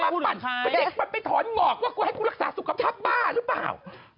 เด็กมันไปถอนหงอกว่าให้ขอรักษาสุขกับชาติบ้าหรือเปล่า